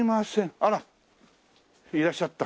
あらいらっしゃった。